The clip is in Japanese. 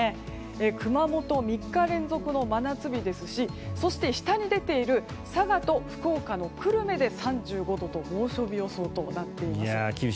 熊本３日連続の真夏日ですしそして、下に出ている佐賀と福岡の久留米で３５度と猛暑日予想となっています。